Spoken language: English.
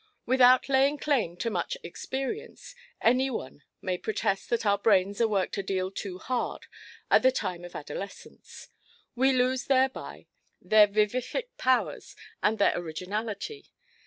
Without laying claim to much experience, any one may protest that our brains are worked a deal too hard at the time of adolescence. We lose thereby their vivific powers and their originality.